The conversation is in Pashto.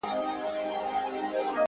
صبر د بریا د لارې رفیق دی!